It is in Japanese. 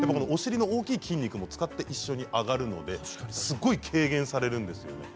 お尻の大きい筋肉を使って一緒に上がるのですごい軽減されるんです。